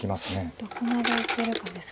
どこまでいけるかですか。